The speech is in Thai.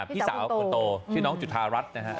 พี่สาวคนโตชื่อน้องจุธารัฐนะฮะ